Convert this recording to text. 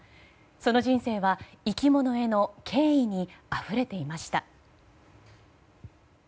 その人生は、生き物への敬意にあふれていました。